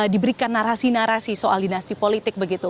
diberikan narasi narasi soal dinasti politik begitu